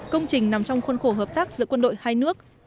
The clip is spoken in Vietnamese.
công trình nằm trong khuôn khổ hợp tác giữa quân đội hai nước